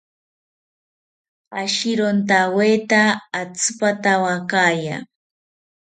Ashirontaweta atzipatawakaya